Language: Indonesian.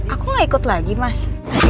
aku gak ikut lagi mas